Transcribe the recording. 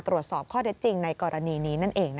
ตรวจสอบข้อเท็จจริงในกรณีนี้นั่นเอง